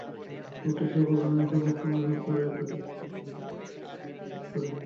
নোটিশে বলা হয়েছে, মোস্তাফা জব্বার অ্যাপ দুটির বিরুদ্ধে কপিরাইট লঙ্ঘনের অভিযোগ করেছেন।